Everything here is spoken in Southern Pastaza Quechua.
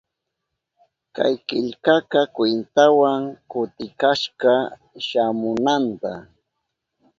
Kay killkaka kwintawan kutikashka shamunanta.